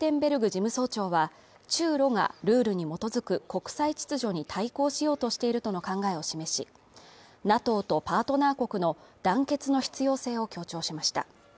事務総長は、中ロがルールに基づく国際秩序に対抗しようとしているとの考えを示し、ＮＡＴＯとパートナー国との団結の必要性を強調しました。